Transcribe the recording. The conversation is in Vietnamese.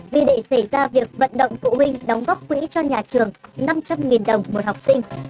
đi để xảy ra việc vận động phụ huynh đóng góp quỹ cho nhà trường năm trăm linh đồng một học sinh